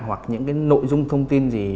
hoặc những cái nội dung thông tin gì